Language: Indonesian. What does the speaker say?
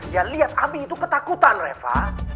ya lihat abi itu ketakutan reva